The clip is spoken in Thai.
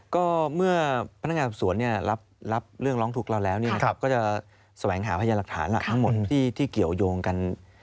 ก็เมื่อพนักงานสอบสวนรับเรื่องร้องทุกข์เราแล้วก็จะแสวงหาพยานหลักฐานหลักทั้งหมดที่เกี่ยวยงกัน